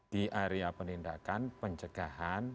di area penindakan penjagaan